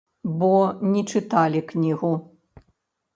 Бо не чыталі кнігу?